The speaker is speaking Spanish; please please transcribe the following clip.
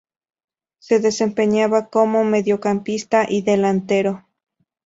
Se desempeñaba como mediocampista y delantero.